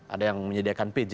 ada yang menyediakan pj